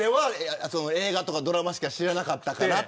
映画とかドラマとかしか知らなかったから。